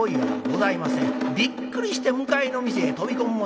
びっくりして向かいの店へ飛び込む者